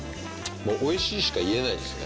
もうおいしいしか言えないですね